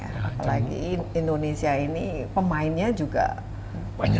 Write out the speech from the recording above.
apalagi indonesia ini pemainnya juga banyak